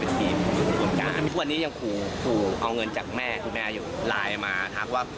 ถ้าเกิดว่าจับเราทุกคืนแขนคืนขาจากว่า